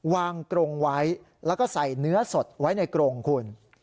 กรงไว้แล้วก็ใส่เนื้อสดไว้ในกรงคุณ